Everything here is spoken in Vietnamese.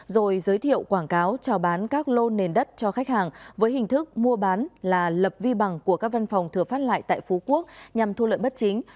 rồi giới thiệu quảng cáo trào bán các lô nền đất cho khách hàng với hình thức mua bán là lập vi bằng của các văn phòng thừa phát lại tại phú quốc nhằm thu lợi bất chính